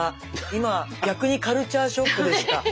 今逆にカルチャーショックでした。